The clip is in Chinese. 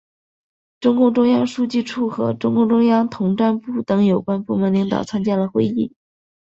中共中央书记处和中共中央统战部等有关部门领导参加了会议。